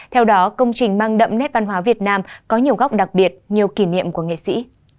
theo đó công trình mang đậm nét văn hóa việt nam có nhiều góc đặc biệt nhiều kỷ niệm của nghệ sĩ